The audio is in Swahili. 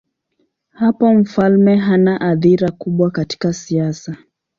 Hapo mfalme hana athira kubwa katika siasa.